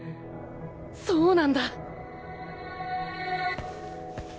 そうなんだ！